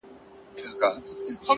انقلابي نامي نن په نسه کي ډوب و